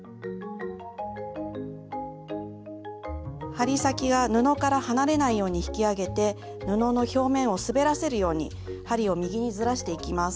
針先が布から離れないように引き上げて布の表面を滑らせるように針を右にずらしていきます。